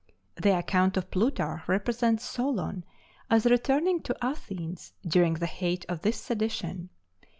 The account of Plutarch represents Solon as returning to Athens during the height of this sedition.